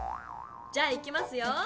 じゃあいきますよ。